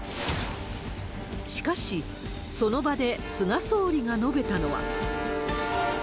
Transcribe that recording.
しかし、その場で菅総理が述べたのは。